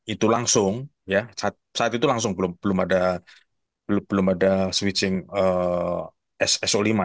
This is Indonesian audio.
itu langsung ya saat itu langsung belum ada switching so lima